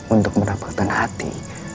untuk mendapatkan hati